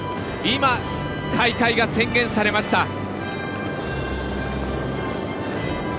今、開会が宣言されました。